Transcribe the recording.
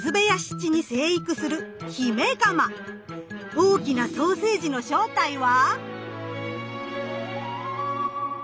大きなソーセージの正体は？